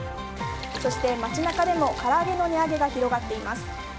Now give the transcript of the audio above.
そして街中でもから揚げの値上げが広がっています。